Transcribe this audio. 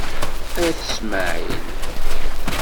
Ayt Smaεel.